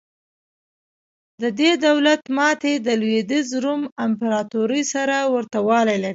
د دې دولت ماتې د لوېدیځ روم امپراتورۍ سره ورته والی لري.